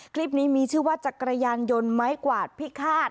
คลิปนี้มีชื่อว่าจักรยานยนต์ไม้กวาดพิฆาต